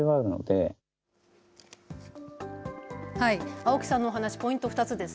青木さんの話ポイント２つです。